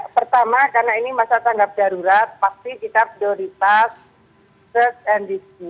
pertama karena ini masa tanggap darurat pasti kita berdiri pasca dan disku